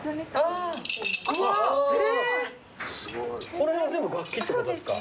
この辺全部楽器ってことですか？